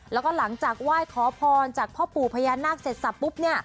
แล้วก็หลังจากไหว้ขอพรจากพ่อปู่พญานาคเสร็จสับปุ๊บเนี่ย